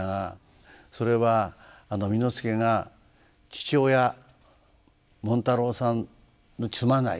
それは簑助が父親紋太郎さんにすまない。